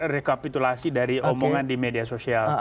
rekapitulasi dari omongan di media sosial